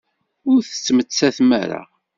Ur tettmettatem ara.